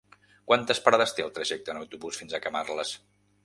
Quantes parades té el trajecte en autobús fins a Camarles?